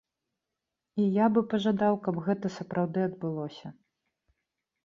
І я бы пажадаў, каб гэта сапраўды адбылося.